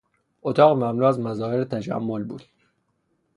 اتاق مملو از مظاهر تجمل بود.